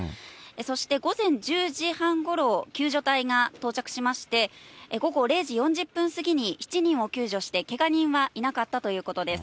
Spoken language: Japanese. そして午前１０時半ごろ、救助隊が到着しまして、午後０時４０分過ぎに７人を救助して、けが人はいなかったということです。